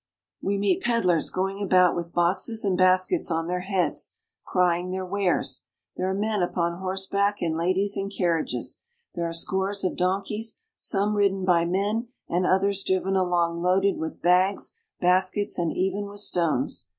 We meet peddlers going about with boxes and baskets on their heads, crying their wares ; there are men upon horse back and ladies in carriages ; there are scores of donkeys, some ridden by men, and others driven along loaded with bags, baskets, and even with stones.